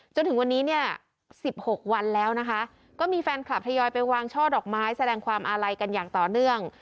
จนถึงวันนี้เนี่ย๑๖วันแล้วนะคะก็มีแฟนคลับทยอยไปวางช่อดอกไม้แสดงความอาลัยกันอย่างต่อเนื่อง